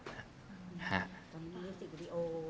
วันนี้รู้สึกวีดีโอ